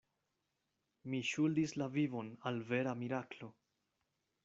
Mi ŝuldis la vivon al vera miraklo.